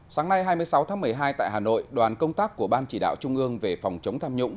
sáng nay hai mươi sáu tháng một mươi hai tại hà nội đoàn công tác của ban chỉ đạo trung ương về phòng chống tham nhũng